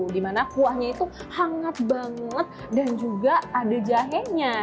dimana kuahnya itu hangat banget dan juga ada jahenya